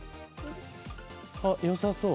あっよさそう！